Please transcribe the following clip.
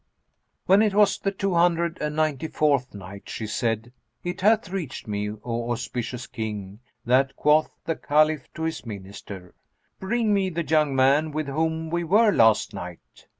When it was the Two hundred and Ninety fourth Night, She said, It hath reached me, O auspicious King, that quoth the Caliph to his Minister, "Bring me the young man with whom we were last night."